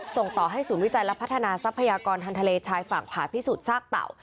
ส่งต่อให้ศูนย์วิจัยและพัฒนาทรัพยากรทางทะเลชายฝั่งผ่าพิสูจนซากเต่า